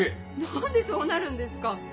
何でそうなるんですか？